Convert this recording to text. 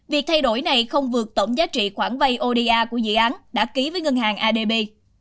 việc thay đổi này không vượt tổng giá trị khoản vay oda của dự án đã ký với ngân hàng adb